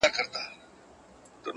نجلۍ نوم کله کله يادېږي تل،